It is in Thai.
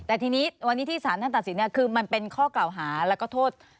แต่ทีนี้วันนี้ที่สารท่านตัดสินคือมันเป็นข้อกล่าวหาแล้วก็โทษ